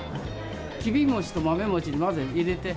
きび餅と豆餅に混ぜて入れて。